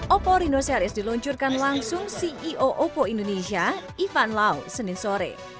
oppo reno series diluncurkan langsung ceo oppo indonesia ivan lao senin sore